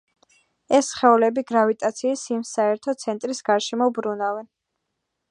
ეს სხეულები გრავიტაციის იმ საერთო ცენტრის გარშემო ბრუნავენ,